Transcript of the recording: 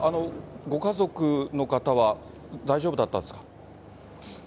ご家族の方は大丈夫だったんですか？